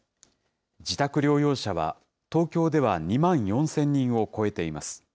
自宅療養者は東京では２万４０００人を超えています。